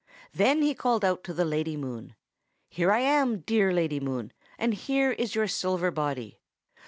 Then he called out to the Lady Moon, 'Here I am, dear Lady Moon, and here is your silver body.